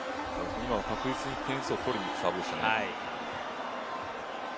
確実に１点を取りにいくサーブでしたね。